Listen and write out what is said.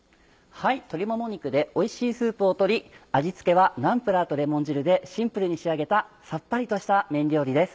鶏もも肉でおいしいスープを取り味付けはナンプラーとレモン汁でシンプルに仕上げたさっぱりとした麺料理です。